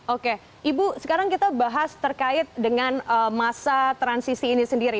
oke ibu sekarang kita bahas terkait dengan masa transisi ini sendiri